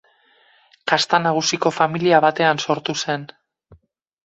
Kasta nagusiko familia batean sortu zen.